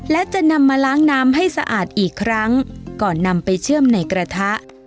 และจะนำมาล้างน้ำให้สะอาดอีกครั้งก่อนนำไปเชื่อมในกระทะ